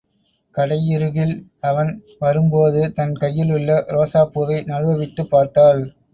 கடையிருகில் அவன் வரும்போது தன் கையிலுள்ள ரோஜாப் பூவை நழுவவிட்டுப் பார்த்தாள்.